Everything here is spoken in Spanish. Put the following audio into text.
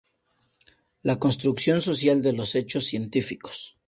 La construcción social de los hechos científicos.